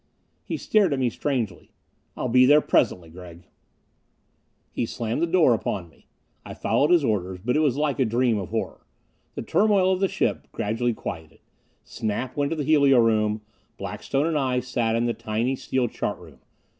He stared at me strangely. "I'll be there presently, Gregg." He slammed the door upon me. I followed his orders, but it was like a dream of horror. The turmoil of the ship gradually quieted. Snap went to the helio room; Blackstone and I sat in the tiny steel chart room.